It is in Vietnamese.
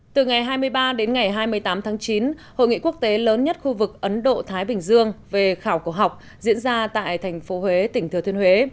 từ ngày hai mươi ba đến ngày hai mươi tám tháng chín hội nghị quốc tế lớn nhất khu vực ấn độ thái bình dương về khảo cổ học diễn ra tại thành phố huế tỉnh thừa thiên huế